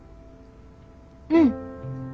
うん。